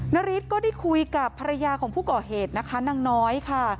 นาริสก็ได้คุยกับภรรยาของผู้ก่อเหตุนะคะนางน้อยค่ะ